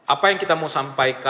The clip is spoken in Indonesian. apa yang kita mau sampaikan